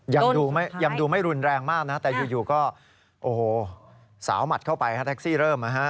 ยังดูไม่รุนแรงมากแต่อยู่ก็สาวหมัดเข้าไปแท็กซี่เริ่ม